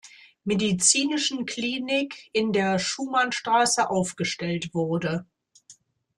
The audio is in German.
Medizinischen Klinik in der Schumannstraße aufgestellt wurde.